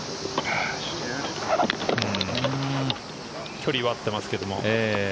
距離は合ってますけども。